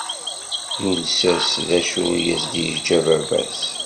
Yules-as d acu i as-d-yeǧǧa baba-s.